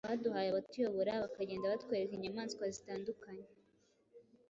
baduhaye abatuyobora bakagenda batwereka inyamaswa zitandukanye